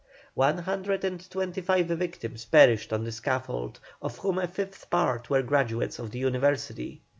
One hundred and twenty five victims perished on the scaffold, of whom a fifth part were graduates of the University.